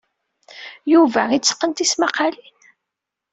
Yuba yetteqqen tismaqqalin?